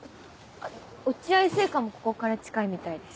落合製菓もここから近いみたいです。